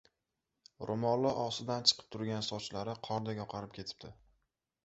Ro‘moli ostidan chiqib turgan sochlari qordek oqarib ketibdi.